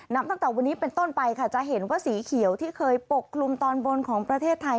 ตั้งแต่วันนี้เป็นต้นไปค่ะจะเห็นว่าสีเขียวที่เคยปกคลุมตอนบนของประเทศไทย